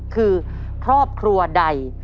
คือครอบครัวใด